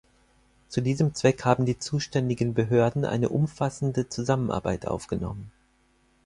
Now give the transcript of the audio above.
Zu diesem Zweck haben die zuständigen Behörden eine umfassende Zusammenarbeit aufgenommen.